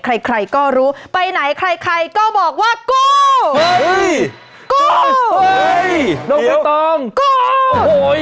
ใครใครก็รู้ไปไหนใครใครก็บอกว่ากู้เฮ้ยกู้น้องใบตองกู้โอ้โห